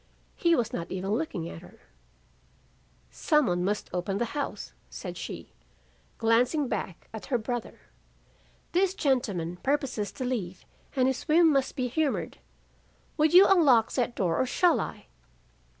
He was not even looking at her. "'Some one must open the house,' said she, glancing back at her brother. 'This gentleman purposes to leave and his whim must be humored. Will you unlock that door or shall I?